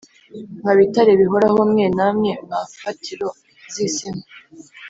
Mwa bitare bihoraho mwe namwe mwa mfatiro z’isi mwe